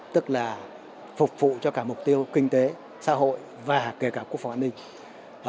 tức là phục vụ cho cả mục tiêu kinh tế xã hội và kể cả quốc phòng an ninh